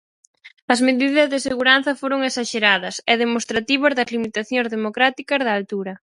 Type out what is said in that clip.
As medidas de seguranza foron esaxeradas, e demostrativas das limitacións democráticas da altura.